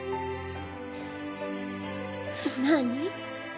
何？